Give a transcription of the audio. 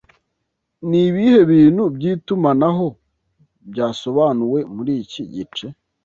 Nibihe bintu byitumanaho byasobanuwe muriki gice